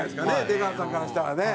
出川さんからしたらね。